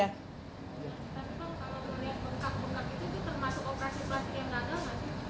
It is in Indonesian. tapi kalau yang bengkak bengkak itu termasuk operasi plastik yang gagal gak sih